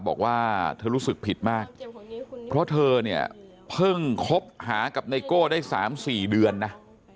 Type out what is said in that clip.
บอกว่าเธอรู้สึกผิดมากเพราะเธอเนี่ยเพิ่งคบหากับไนโก้ได้๓๔เดือนนะ